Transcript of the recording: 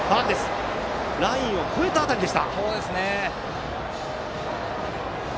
ラインを越えた辺りでした。